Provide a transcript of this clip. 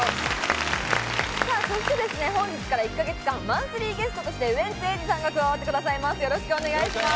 本日から１か月間、マンスリーゲストとしてウエンツ瑛士さんが加わってくださいます。